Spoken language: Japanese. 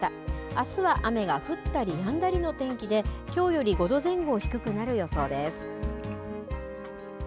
あすは雨が降ったりやんだりの天気で、きょうより５度前後低くなる予想です。